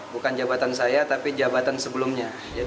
bukan jabatan saya tapi jabatan sebelumnya